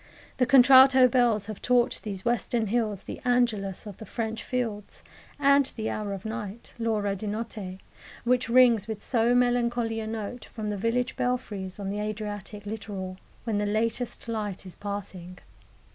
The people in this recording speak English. The contralto bells have taught these Western hills the "Angelus" of the French fields, and the hour of night l'ora di notte which rings with so melancholy a note from the village belfries on the Adriatic littoral, when the latest light is passing.